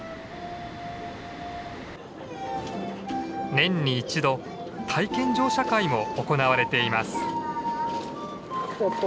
年に１度体験乗車会も行われています。